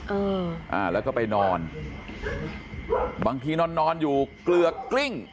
อ่าแล้วก็ไปนอนบางทีนอนนอนอยู่เกลือกกลิ้ง